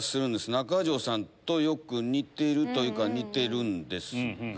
中条さんとよく似てるというか似てるんですが。